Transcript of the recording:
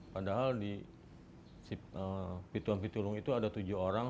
padahal di pitung pitulung itu ada tujuh orang